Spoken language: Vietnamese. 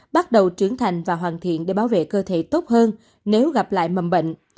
bắt đầu trưởng thành và hoàn thiện để bảo vệ cơ thể tốt hơn nếu gặp lại mầm bệnh